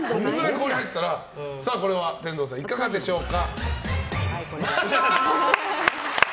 これは天童さんいかがでしょうか。